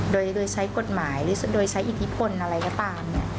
โดยใช้กฎหมายหรือโดยใช้อิทธิพลอะไรก็ตาม